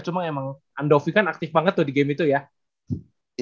cuma emang andovi kan aktif banget tuh di game itu ya